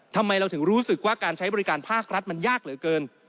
ทำไมเราถึงรู้สึกว่าการใช้บริการภาครัฐมันยากเหลือเกิน